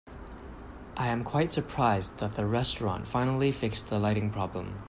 I am quite surprised that the restaurant finally fixed the lighting problem.